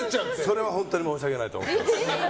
それは本当に申し訳ないと思ってます。